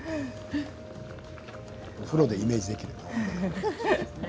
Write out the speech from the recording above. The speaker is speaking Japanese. お風呂でイメージできます。